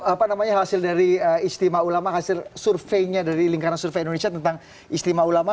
apa namanya hasil dari istimewa ulama hasil surveinya dari lingkaran survei indonesia tentang istimewa ulama